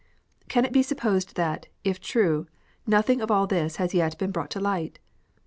Can it be supposed that, if true, nothing of all this lias yet been brought to light ?